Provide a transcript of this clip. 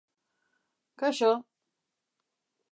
Kaixo.